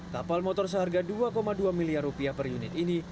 kapal motor seharga dua dua miliar rupiah per unit ini